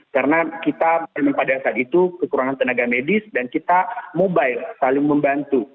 karena kita pada saat itu kekurangan tenaga medis dan kita mobile saling membantu